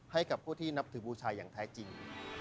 ให้กับผู้ที่นับถือบูชาอย่างแท้จริง